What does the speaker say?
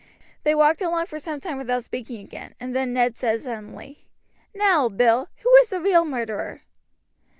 They walked along for some time without speaking again, and then Ned said suddenly: "Now, Bill, who is the real murderer?"